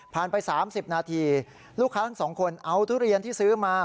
ไป๓๐นาทีลูกค้าทั้งสองคนเอาทุเรียนที่ซื้อมา